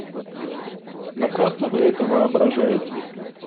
Напрасно вы это воображаете.